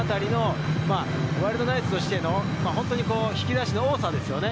ワイルドナイツとしての引き出しの多さですよね。